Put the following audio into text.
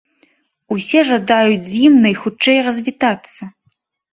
Усе жадаюць з ім найхутчэй развітацца.